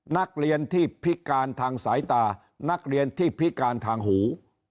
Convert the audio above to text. นักเรียนที่พิการทางสายตานักเรียนที่พิการทางหู